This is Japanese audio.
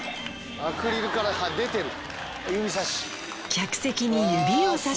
アクリルから出てる。